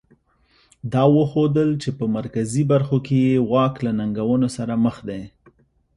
دا وښودل چې په مرکزي برخو کې یې واک له ننګونو سره مخ دی.